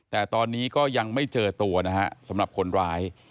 แต่ตอนนี้ก็ยังไม่เจอตัวนะฮะสำหรับคนร้าย